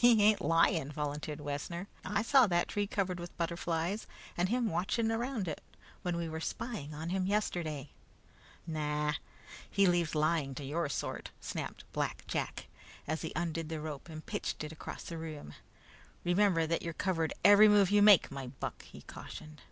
"He ain't lying," volunteered Wessner. "I saw that tree covered with butterflies and him watching around it when we were spying on him yesterday." "No, he leaves lying to your sort," snapped Black Jack, as he undid the rope and pitched it across the room. "Remember that you're covered every move you make, my buck," he cautioned.